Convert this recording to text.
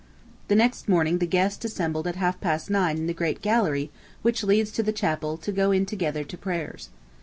The next morning the guests assembled at half past nine in the great gallery which leads to the chapel to go in together to prayers.